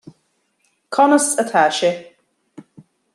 Conas atá sé